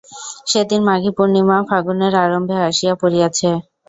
সেদিন মাঘীপূর্ণিমা ফাল্গুনের আরম্ভে আসিয়া পড়িয়াছে।